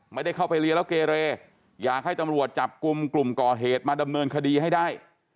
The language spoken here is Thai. ไม่ได้เข้าไปเรียนแล้วเกเรอยากให้ตำรวจจับกลุ่มกลุ่มก่อเหตุมาดำเนินคดีให้ได้